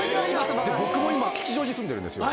今吉祥寺住んでるんです。